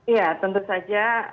iya tentu saja